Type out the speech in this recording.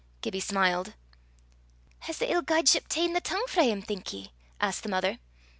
Gibbie smiled. "Has the ill guideship ta'en the tongue frae 'im, think ye?" asked the mother.